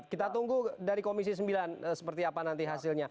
kita tunggu dari komisi sembilan seperti apa nanti hasilnya